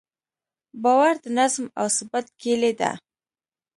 باور د نظم او ثبات کیلي ده.